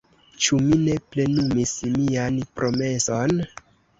Ĉu mi ne plenumis mian promeson?